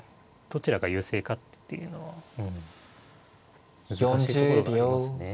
どちらが優勢かっていうのは難しいところがありますね。